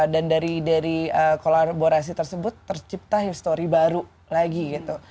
dan dari kolaborasi tersebut tercipta history baru lagi gitu